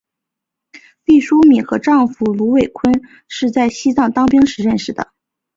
毕淑敏和丈夫芦书坤是在西藏当兵时认识的。